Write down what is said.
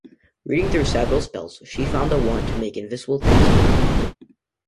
Reading through several spells, she found the one to make invisible things visible.